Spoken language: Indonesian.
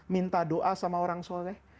minta doa sama orang soleh